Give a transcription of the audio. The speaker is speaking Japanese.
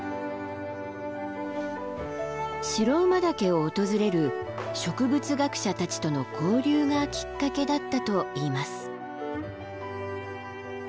白馬岳を訪れる植物学者たちとの交流がきっかけだったといいます。